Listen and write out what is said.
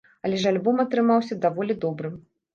Але ж альбом атрымаўся даволі добрым.